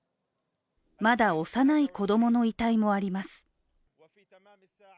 まだ幼い子供の遺体もあります。